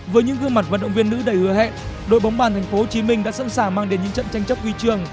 với những gương mặt vận động viên nữ đầy hứa hẹn đội bóng bàn tp hcm đã sẵn sàng mang đến những trận tranh chấp huy chương